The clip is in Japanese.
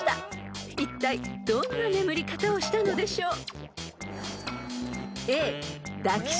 ［いったいどんな眠り方をしたのでしょう？］